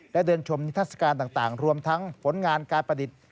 และเดินชมนิทัศกาลต่างรวมทั้งผลงานการประดิษฐ์